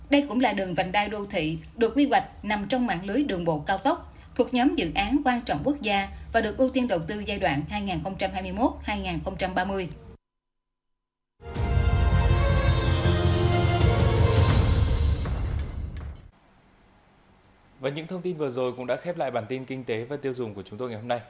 đây cũng là đường vành đai đô thị được quy hoạch nằm trong mạng lưới đường bộ cao tốc thuộc nhóm dự án quan trọng quốc gia và được ưu tiên đầu tư giai đoạn hai nghìn hai mươi một hai nghìn ba mươi